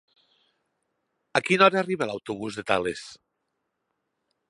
A quina hora arriba l'autobús de Tales?